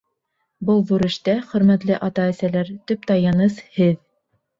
Был ҙур эштә, хөрмәтле ата-әсәләр, төп таяныс — һеҙ.